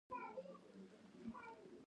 په دیارلس کلن ژوند کې مې ټولې روژې نیولې وې.